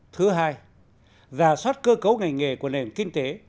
thứ hai giả soát cơ cấu ngành nghề của nền kinh tế